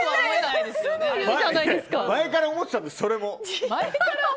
前から思ってたんです、それも。